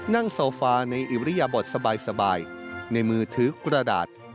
นั่งโซฟาในอิริยบทสบายในมือถือกระดาษ